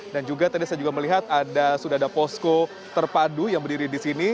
dan juga tadi saya juga melihat sudah ada posko terpadu yang berdiri di sini